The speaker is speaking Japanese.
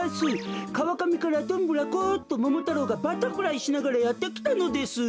「かわかみからどんぶらこっとももたろうがバタフライしながらやってきたのです」。